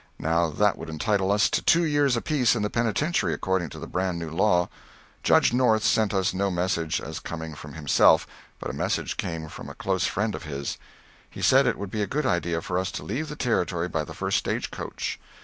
Now that would entitle us to two years apiece in the penitentiary, according to the brand new law. Judge North sent us no message as coming from himself, but a message came from a close friend of his. He said it would be a good idea for us to leave the territory by the first stage coach.